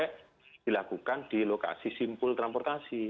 biasanya dilakukan di lokasi simpul transportasi